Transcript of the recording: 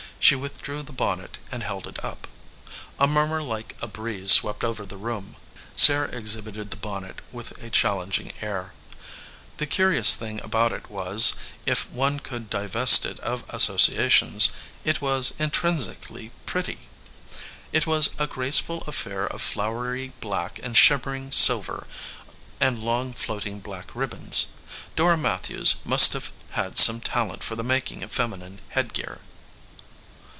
She withdrew the bonnet and held it up. A murmur like a breeze swept over the room. Sarah exhibited the bonnet with a chal lenging air. The curious thing about it was, if one could divest it of associations, it was intrinsically pretty. It was a graceful affair of flowery black and shimmering silver and long floating black rib bons. Dora Matthews must have had some talent for the making of feminine headgear.